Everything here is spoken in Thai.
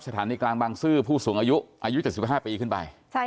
สถานีกลางบางซื่อผู้สูงอายุอายุ๗๕ปีขึ้นไป